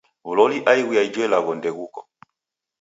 W'uloli aighu ya ijo ilagho ndeghuko.